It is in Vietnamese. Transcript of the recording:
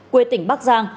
quê tỉnh bắc giang